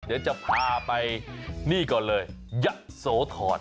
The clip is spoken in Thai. เดี๋ยวจะพาไปนี่ก่อนเลยยะโสธร